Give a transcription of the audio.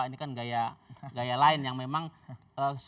ini kan gaya lain yang memang